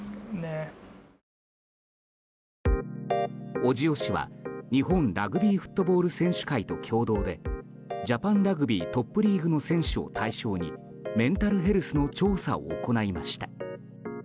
小塩氏は日本ラグビーフットボール選手会と共同でジャパンラグビートップリーグの選手を対象にメンタルヘルスの調査を行いました。